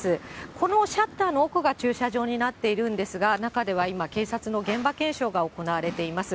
このシャッターの奥が奥が駐車場になっているんですが、中では今、警察の現場検証が行われています。